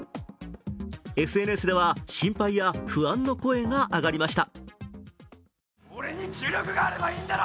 ＳＮＳでは心配や不安の声が上がりました。